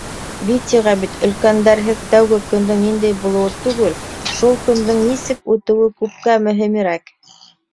Витяға бит өлкәндәрһеҙ тәүге көндөң ниндәй булыуы түгел, шул көндөң нисек үтеүе күпкә мөһимерәк.